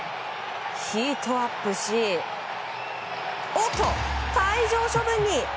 ヒートアップし、退場処分に。